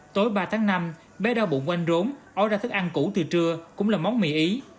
tối ba tháng năm bé đau bụng oanh rốn ói ra thức ăn cũ từ trưa cũng là món mì ế